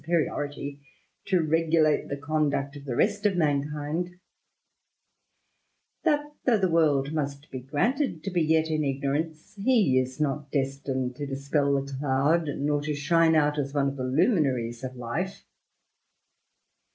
i ^h^eriority to regulaie the conduct of the rest of mankind; that, inough the world must be granted to be yet in ignorance, he is not destined to dispel the cloud, nor to shine out as one of the luminaries of life.